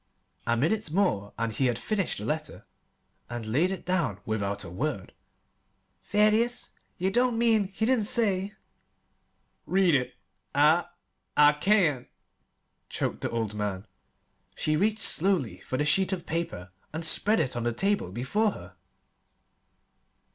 A minute more, and he had finished the letter and laid it down without a word. "Thaddeus, ye don't mean he didn't say " "Read it I I can't," choked the old man. She reached slowly for the sheet of paper and spread it on the table before her.